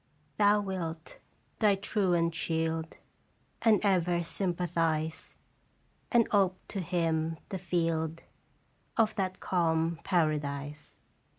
301 Thou wilt thy truant shield, And ever sympathize, And ope to him the field Of that calm paradise.